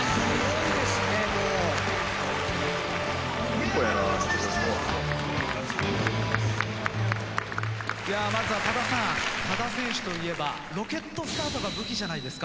いやまずは多田さん多田選手といえばロケットスタートが武器じゃないですか。